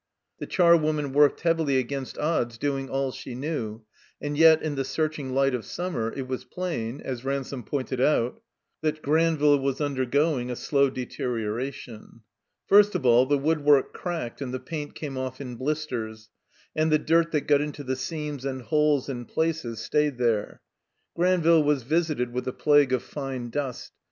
The charwoman worked heavily against odds, doing all she knew. And yet, in the searching light of summer, it was plain, as Ransome pointed out, that Granville was undergoing a slow deteriora tion. r First of all, the woodwork cracked and the paint came off in blisters, and the dirt that got into the seams and holes and places stayed there. Granville was visited with a plague of fine dust.